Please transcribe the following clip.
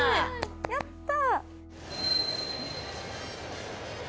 やった！